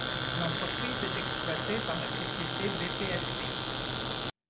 L'entreprise est exploitée par la société Bplp.